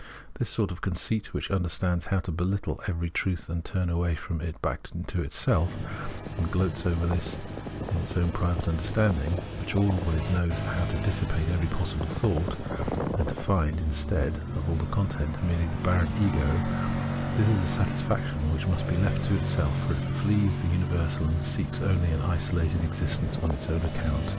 This sort of conceit which imderstands how to behttle every truth and turn away from it back into itself, and gloats over this its own private understanding, which always knows how to dissipate every possible thought, and to find, instead of all the content, merely the barren Ego — this is a satisfaction which must be left to itself ; for it flees the imiversal and seeks only an isolated existence on its own account {Fiirsicliseyn).